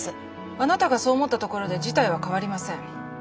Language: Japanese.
あなたがそう思ったところで事態は変わりません。